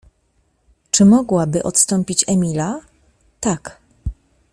Czy mogłabym odstąpić Emila? Tak.